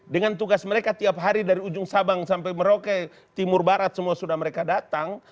dengan tugas mereka tiap hari dari ujung sabang sampai merauke timur barat semua sudah mereka datang